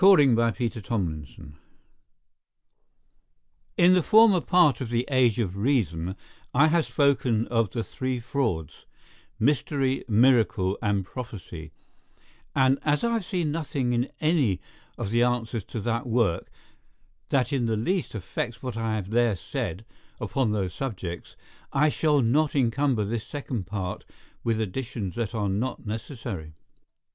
CHAPTER III CONCLUSION IN the former part of 'The Age of Reason' I have spoken of the three frauds, mystery, miracle, and Prophecy; and as I have seen nothing in any of the answers to that work that in the least affects what I have there said upon those subjects, I shall not encumber this Second Part with additions that are not necessary.